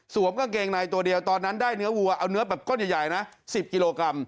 กางเกงในตัวเดียวตอนนั้นได้เนื้อวัวเอาเนื้อแบบก้นใหญ่นะ๑๐กิโลกรัม